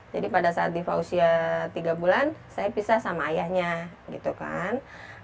jadi pada saat diva usia tiga bulan saya pisah sama ayahnya gitu kan